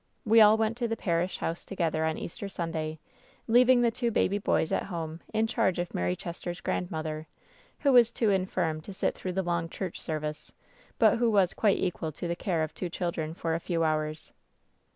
We all went to the parish house together on Easter Sunday, leaving the two baby boys at home in charge of Mary Chester's grandmother, who was too infirm to sit through the long church service, but who was quite equal to the care of two children for a few hours.